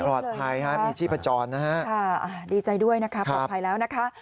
ปลอดภัยถึงมีชื่อ